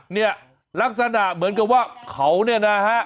เนี่ยลักษณะเหมือนกับว่าเขาเนี่ยนะฮะ